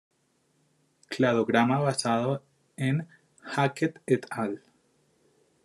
Cladograma basado en Hackett "et al.